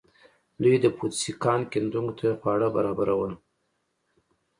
دوی د پوتسي کان کیندونکو ته خواړه برابرول.